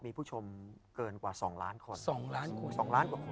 มีผู้ชมเกินกว่า๒ล้านคน